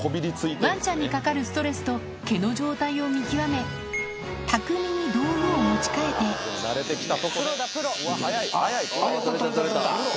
ワンちゃんにかかるストレスと毛の状態を見極め巧みに道具を持ち替えてプロだプロ。